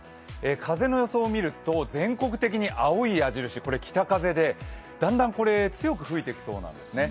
風の予想を見ると全国的に青い矢印、これ北風でだんだん強く吹いてきそうなんですね。